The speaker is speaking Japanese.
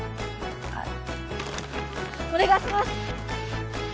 あっお願いします！